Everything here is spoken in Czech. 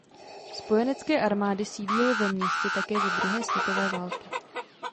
Spojenecké armády sídlily ve městě také za druhé světové války.